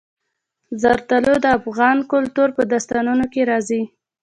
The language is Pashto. زردالو د افغان کلتور په داستانونو کې راځي.